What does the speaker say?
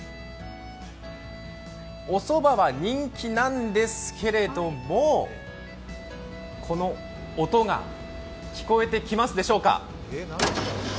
おそばは人気なんですけれども、この音が聞こえてきますでしょうか？